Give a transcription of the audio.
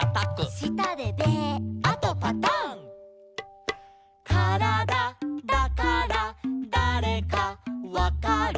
「したでベー」「あとパタン」「からだだからだれかわかる」